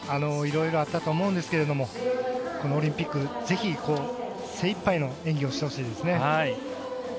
色々あったと思うんですがこのオリンピックぜひ精いっぱいの演技をしてほしいですね。